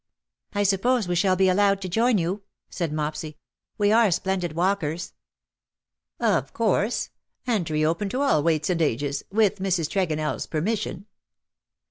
" I suppose we shall be allowed to join you/' said Mopsy, " we are splendid walkers/' " Of course — entry open to all weights and ages, with Mrs. TregonelFs permission."